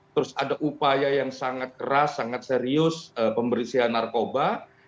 terus ada upaya yang sangat keras sangat serius pembersihan narkoba